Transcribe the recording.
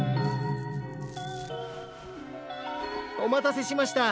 お待たせしました。